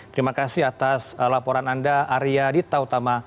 terima kasih atas laporan anda arya dita utama